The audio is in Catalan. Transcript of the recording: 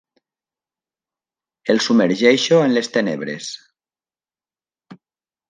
El submergeixo en les tenebres.